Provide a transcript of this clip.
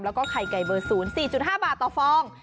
แล้วก็ไข่ไก่เบอร์๐๔๕บาทต่อฟอง